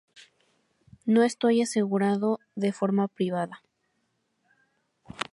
No estoy asegurado de forma privada.